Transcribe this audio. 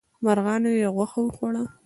مرغانو یې غوښه وخوړه.